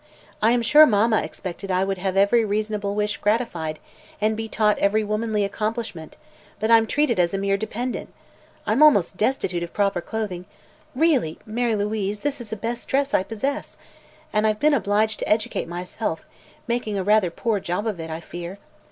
I am sure mamma expected I would have every reasonable wish gratified, and be taught every womanly accomplishment; but I'm treated as a mere dependent. I'm almost destitute of proper clothing really, Mary Louise, this is the best dress I possess! and I've been obliged to educate myself, making a rather poor job of it, I fear.